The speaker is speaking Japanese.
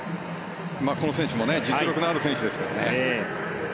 この選手も実力のある選手ですからね。